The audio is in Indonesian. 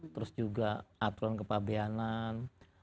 terus juga aturan kepabeanan